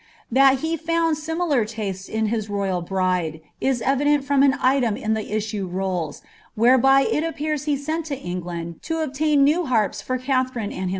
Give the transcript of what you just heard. Thai bt found similar tastes in his royai bride, is evident from an item ID ikt Issue Rolls,' whereby it appears he sent to England to obtain new harpi for Ratherine and him.